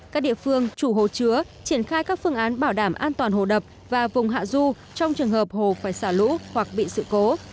các địa phương chủ hồ chứa triển khai các phương án bảo đảm an toàn hồ đập và vùng hạ du trong trường hợp hồ phải xả lũ hoặc bị sự cố